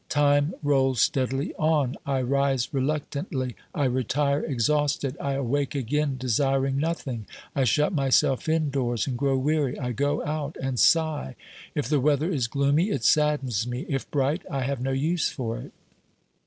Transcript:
Time rolls steadily on ; I rise reluctantly, I retire exhausted ; I awake again desiring nothing. I shut myself indoors and grow weary; I go out and sigh. If the weather is gloomy, it saddens me ; if bright, I have no use for it.